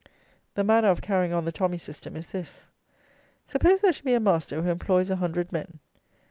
The manner of carrying on the tommy system is this: suppose there to be a master who employs a hundred men.